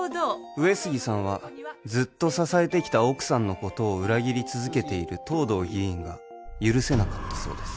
上杉さんはずっと支えてきた奥さんのことを裏切り続けている藤堂議員が許せなかったそうです